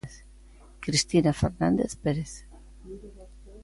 Cristina Fernández Pérez.